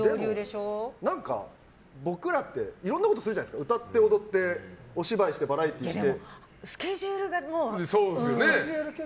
僕らっていろんなことするじゃないですか歌って、踊ってお芝居して、バラエティーして。